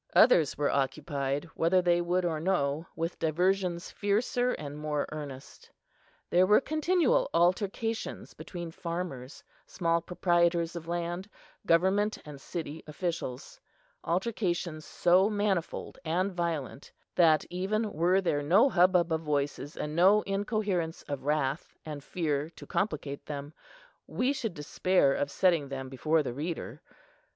Others were occupied, whether they would or no, with diversions fiercer and more earnest. There were continual altercations between farmers, small proprietors of land, government and city officials,—altercations so manifold and violent, that, even were there no hubbub of voices, and no incoherence of wrath and fear to complicate them, we should despair of setting them before the reader.